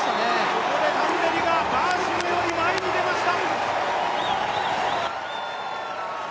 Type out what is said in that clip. ここでタンベリがバーシムより前に出ました！